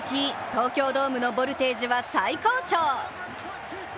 東京ドームのボルテージは最高潮。